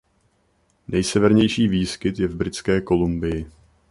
Nejsevernější výskyt je v Britské Kolumbii.